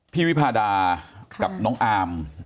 วิพาดากับน้องอาม